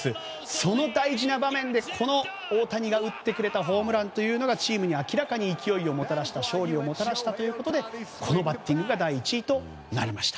その大事な場面でこの大谷が打ってくれたホームランというのがチームに明らかに勢いを勝利をもたらしたということでこのバッティングが第１位となりました。